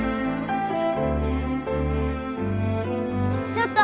ちょっと！